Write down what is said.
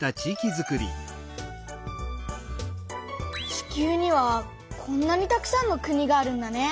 地球にはこんなにたくさんの国があるんだね！